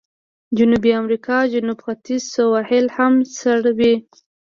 د جنوبي امریکا جنوب ختیځ سواحل هم سړ وي.